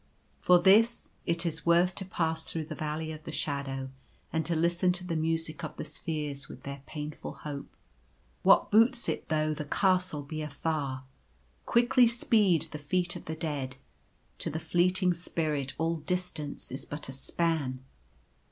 For this it is worth to pass through the Valley of the Shadow and to listen to the Music of the Spheres with their painful hope. What boots it though the Castle be afar? Quickly speed the feet of the dead. To the fleeting spirit all distance is but a span.